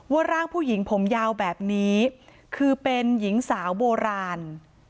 ร่างผู้หญิงผมยาวแบบนี้คือเป็นหญิงสาวโบราณ